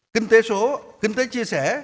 kinh tế số kinh tế chia sẻ